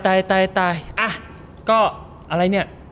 อ่ะก็อะไรเนี่ย